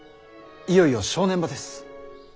いよいよ正念場です。